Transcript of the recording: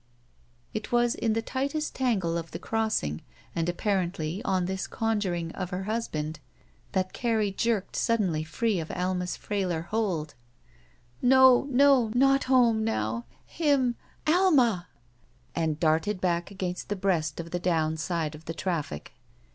'* It was in the tightest tangle of the crossing and apparently on this conjuring of her husband that Carrie jerked suddenly free of Alma's frailer hold. "No — ^no — not home — now. Him. Alma!" And darted back against the breast of the down side of the traffic.